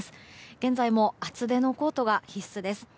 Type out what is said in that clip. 現在も厚手のコートが必須です。